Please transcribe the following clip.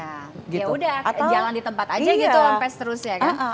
ya udah jalan di tempat aja gitu lempes terus ya kan